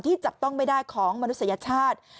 จับต้องไม่ได้ของมนุษยชาติ